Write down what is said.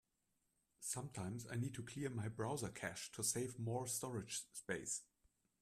Sometines, I need to clear my browser cache to save more storage space.